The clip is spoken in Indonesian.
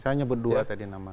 saya nyebut dua tadi nama